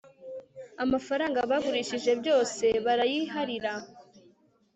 amafaranga bagurishije yose barayiharira